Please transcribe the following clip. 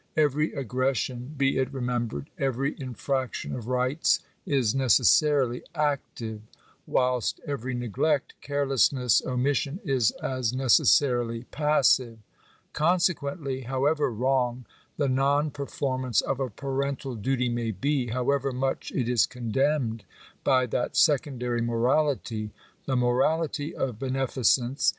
Every aggression, be it remembered — every infraction of rights,] is necessarily active; whilst every neglect, carelessness, omis l sion, is as necessarily passive. Consequently, however wrong! the non performance of a parental duty may be — however much it is condemned by that secondary morality — the morality of be neficence (pp.